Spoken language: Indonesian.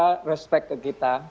itu mereka respect ke kita